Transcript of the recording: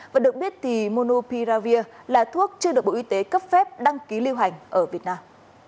và được biết thì monopiravir là thuốc chưa được bộ y tế cấp phép đăng ký lưu hành ở việt nam